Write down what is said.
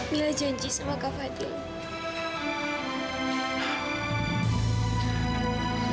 mila janji sama kak fadil